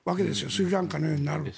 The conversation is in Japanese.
スリランカのようになる。